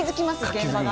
現場が。